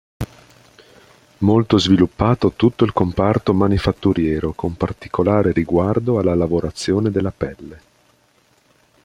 Molto sviluppato tutto il comparto manifatturiero, con particolare riguardo alla lavorazione della pelle.